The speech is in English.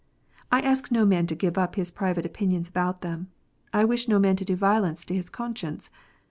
I ask no man to give up his private opinions about them. I wish no man to do violence to his conscience.